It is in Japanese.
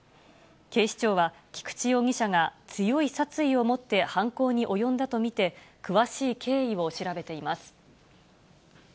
警視庁は、菊池容疑者が強い殺意を持って犯行に及んだと見て、詳しい経緯を調べています。